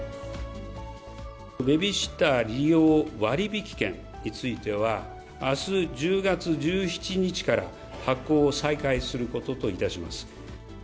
ベビーシッター利用割引券については、あす１０月１７日から発行を再開することといたします。